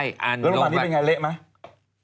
แล้วโรงพยาบาลนี้เป็นไงเละไหม